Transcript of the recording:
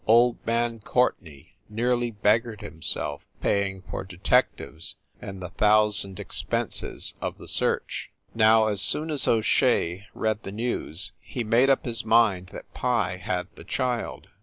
Old man Courtenay nearly beggared himself paying for detectives and the thousand expenses of the search. Now, as soon as O Shea read the news he made up his mind that Pye had the child.